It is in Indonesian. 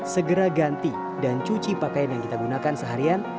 segera ganti dan cuci pakaian yang kita gunakan seharian